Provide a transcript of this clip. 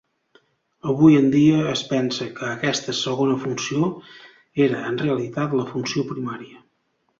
Avui en dia es pensa que aquesta segona funció era en realitat la funció primària.